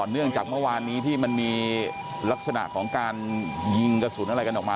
เนื่องจากเมื่อวานนี้ที่มันมีลักษณะของการยิงกระสุนอะไรกันออกมา